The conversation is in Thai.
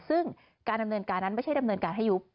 ซึ่งการดำเนินการนั้นไม่ใช่ดำเนินการให้ยุบ